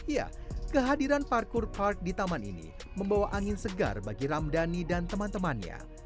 ya kehadiran parkur park di taman ini membawa angin segar bagi ramdhani dan teman temannya